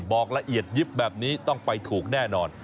บอกละเอียดยิบแบบนี้ต้องไปถูกแน่นอน